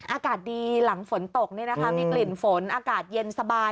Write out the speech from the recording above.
อากาศดีหลังฝนตกมีกลิ่นฝนอากาศเย็นสบาย